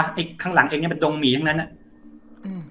ไอ้ข้างหลังเองเนี้ยมันดงหมีทั้งนั้นอ่ะอืม